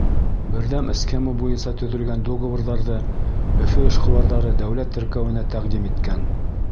Берҙәм схема буйынса төҙөлгән договорҙарҙы Өфө эшҡыуарҙары дәүләт теркәүенә тәҡдим иткән.